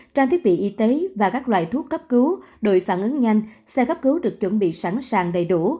trang thiết bị y tế và các loại thuốc cấp cứu đội phản ứng nhanh xe cấp cứu được chuẩn bị sẵn sàng đầy đủ